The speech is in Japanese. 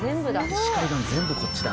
西海岸全部こっちだ。